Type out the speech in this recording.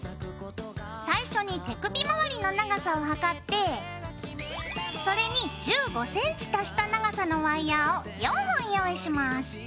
最初に手首周りの長さを測ってそれに１５ｃｍ足した長さのワイヤーを４本用意します。